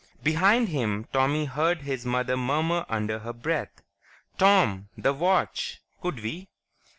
Behind him, Tommy heard his mother murmur under her breath, "Tom ... the watch; could we?"